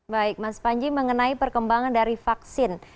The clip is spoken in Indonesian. baik mas panji mengenai perkembangan dari vaksin